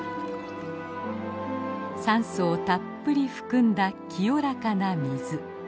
酸素をたっぷり含んだ清らかな水。